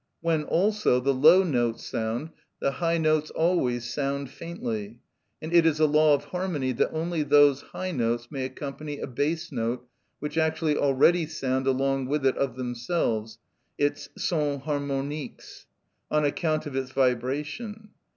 When, also, the low notes sound, the high notes always sound faintly, and it is a law of harmony that only those high notes may accompany a bass note which actually already sound along with it of themselves (its sons harmoniques) on account of its vibration.